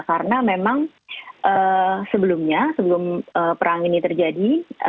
karena memang sebelumnya sebelum perang ini terjadi